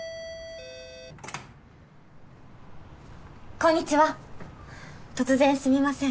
こんにちは突然すみません。